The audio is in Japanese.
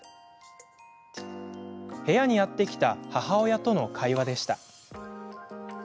部屋にやって来た母親との会話でした。